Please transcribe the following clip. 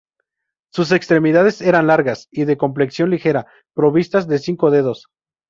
Sus extremidades eran largas y de complexión ligera, provistas de cinco dedos.